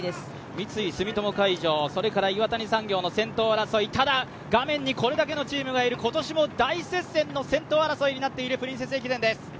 三井住友海上、岩谷産業の先頭争い、ただ、画面にこれだけのチームがいる、今年も大接戦の２区となっているプリンセス駅伝です。